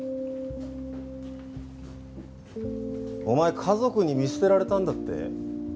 お前家族に見捨てられたんだって？